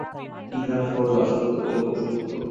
ইহার ফল দাসত্ব ও পশুত্ব।